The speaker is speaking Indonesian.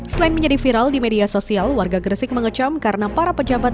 selain menjadi viral di media sosial warga gresik mengecam karena para pejabat